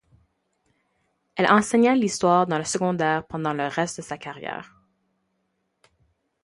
Elle enseigna l’histoire dans le secondaire pendant le reste de sa carrière.